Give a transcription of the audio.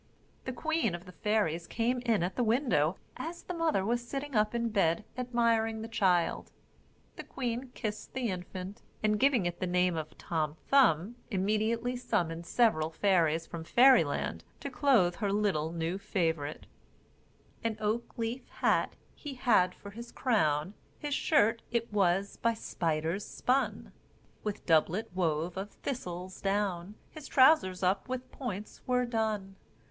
The queen of the fairies came in at the window as the mother was sitting up in bed admiring the child. The queen kissed the infant, and giving it the name of Tom Thumb, immediately summoned several fairies from Fairy Land to clothe her little new favourite: "An oak leaf hat he had for his crown, His shirt it was by spiders spun; With doublet wove of thistle's down, His trousers up with points were done.